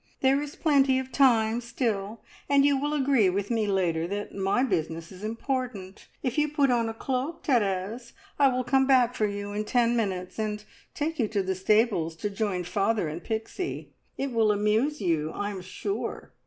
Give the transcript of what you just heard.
There is plenty of time still, and you will agree with me later that my business is important. If you put on a cloak, Therese, I will come back for you in ten minutes, and take you to the stables to join father and Pixie. It will amuse you, I'm sure."